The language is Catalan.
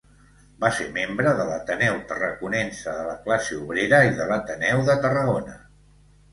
Va ser membre de l'Ateneu Tarraconense de la Classe Obrera i de l'Ateneu de Tarragona.